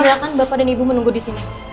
silakan bapak dan ibu menunggu disini